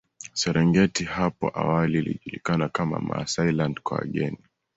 Serengeti hapo awali ilijulikana kama Maasailand kwa wageni